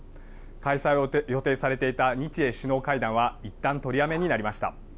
開催を予定されていた日英首脳会談はいったん取りやめになりました。